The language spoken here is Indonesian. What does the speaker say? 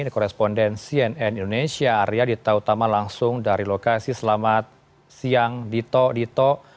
di korespondensi nn indonesia area di tau tama langsung dari lokasi selamat siang dito